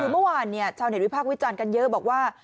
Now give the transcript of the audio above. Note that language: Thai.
คือเมื่อวานเทศวิทธิ์ภาควิจารณ์กันเยอะบอกว่า